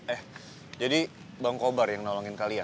eh jadi bang kobar yang nolongin kalian